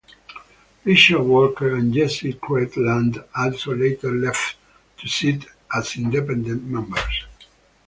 Richard Walker and Jessie Credland also later left to sit as independent members.